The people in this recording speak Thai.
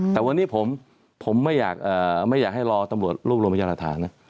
แต่วันนี้ผมไม่อยากให้รอตำรวจโรยบรมยาลัทธานะ